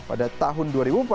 pada tahun dua ribu empat belas